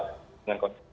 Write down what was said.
sulitnya mencari atau dapat